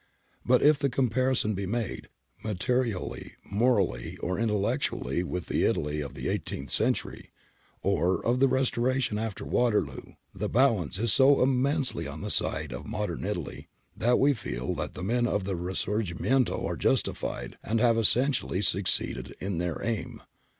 But if the comparison be made, materially, morally, or intellectu ally with the Italy of the eighteenth century, or of the restoration after Waterloo, the balance is so immensely on the side of modern Italy that we feel that the men of the risoygi)netito are justified and have essentially suc ceeded in their aim.